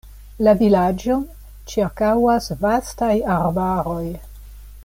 La vilaĝon ĉirkaŭas vastaj arbaroj.